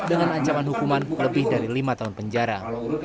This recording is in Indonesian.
dengan ancaman hukuman lebih dari lima tahun penjara